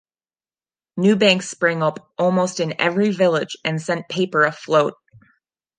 New banks sprang up almost in every village, and sent paper afloat.